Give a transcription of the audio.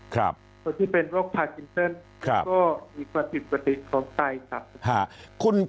คนที่เป็นโรคพาซินเซินก็อีกกว่า๑๐ของใต้